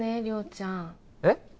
亮ちゃんえっ？